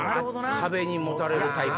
壁にもたれるタイプ。